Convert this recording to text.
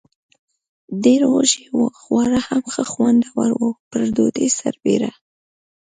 ډېر وږي و، خواړه هم ښه خوندور و، پر ډوډۍ سربېره.